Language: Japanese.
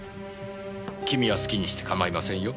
君は好きにして構いませんよ。